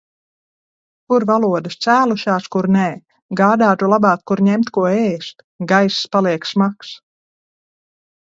Kur valodas cēlušās, kur nē. Gādātu labāk, kur ņemt ko ēst. Gaiss paliek smags.